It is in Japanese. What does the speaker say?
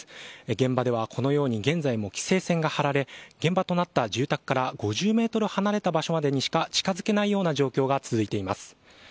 現場ではこのように現在も規制線が張られ現場となった住宅から５０ｍほど離れた場所までしか近づけないような状況が続いています。